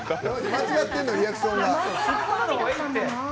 間違ってんの、リアクションが。